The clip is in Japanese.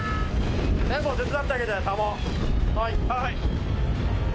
はい。